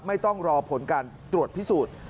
ไม่ต้องรอผลการตรวจพิสูจน์